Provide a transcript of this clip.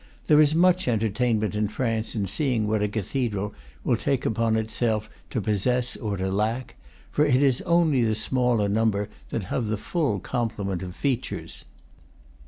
There is much entertainment in France in seeing what a cathedral will take upon itself to possess or to lack; for it is only the smaller number that have the full complement of features.